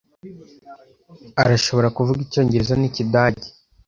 Arashobora kuvuga Icyongereza n'Ikidage.